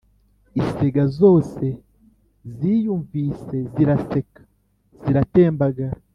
isega zose ziyumvise, ziraseka, ziratembagara